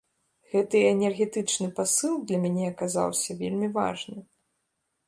Гэты энергетычны пасыл для мяне аказаўся вельмі важны.